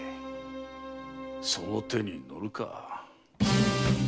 その手にのるか。